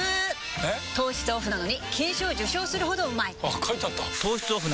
糖質オフなのに金賞受賞するほどうまいあ書いてあった「金麦」のオフ